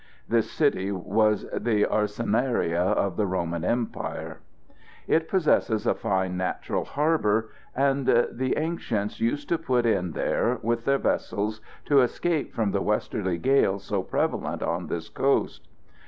This city was the "Arsenaria" of the Roman Empire. It possesses a fine natural harbour, and the ancients used to put in there with their vessels to escape from the westerly gales so prevalent on this coast.